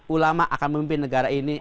ulama akan memimpin negara ini